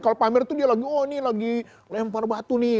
kalau pamer itu dia lagi oh ini lagi lempar batu nih